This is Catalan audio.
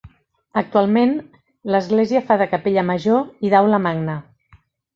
Actualment, l'església fa de Capella Major i d'Aula Magna.